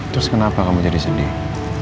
terus kenapa kamu jadi sedih